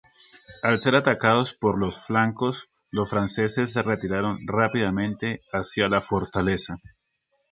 Al ser atacados por los flancos, los franceses se retiraron rápidamente hacia la fortaleza.